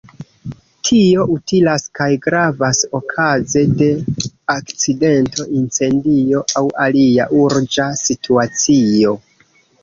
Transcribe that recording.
Tio utilas kaj gravas okaze de akcidento, incendio aŭ alia urĝa situacio.